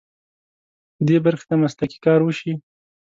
که دې برخې ته مسلکي کار وشي.